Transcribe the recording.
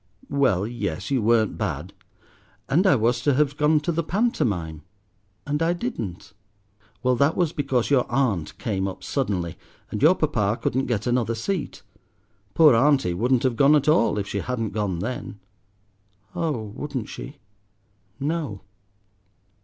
"Well, yes, you weren't bad." "And I was to have gone to the pantomime, and I didn't." "Well, that was because your aunt came up suddenly, and your Papa couldn't get another seat. Poor auntie wouldn't have gone at all if she hadn't gone then." "Oh, wouldn't she?" "No."